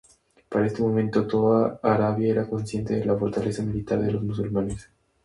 Para este momento, toda Arabia era consciente de la fortaleza militar de los musulmanes.